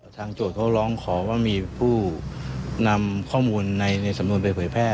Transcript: โจทย์เขาร้องขอว่ามีผู้นำข้อมูลในสำนวนไปเผยแพร่